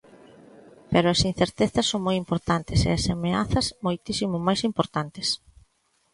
Pero as incertezas son moi importantes e as amezas moitísimo máis importantes.